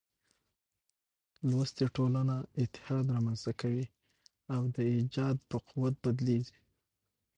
لوستې ټولنه اتحاد رامنځ ته کوي او د ايجاد په قوت بدلېږي.